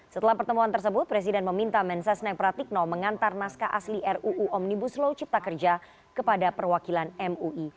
setelah pertemuan tersebut presiden meminta mensesnek pratikno mengantar naskah asli ruu omnibus law cipta kerja kepada perwakilan mui